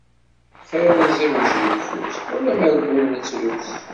Xir iẓiwec deg ufus, wala amergu ur nettrus.